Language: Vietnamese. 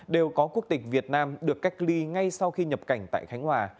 đều có quốc tịch việt nam được cách ly ngay sau khi nhập cảnh tại khánh hòa